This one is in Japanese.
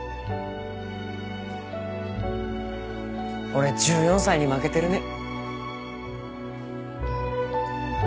俺１４歳に負けてるね。